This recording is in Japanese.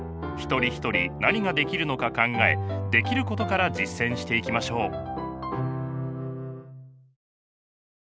一人ひとり何ができるのか考えできることから実践していきましょう。